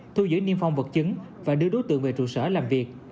thu giữ niêm phong vật chứng và đưa đối tượng về trụ sở làm việc